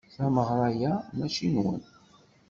Tameɣra-a mačči nwen.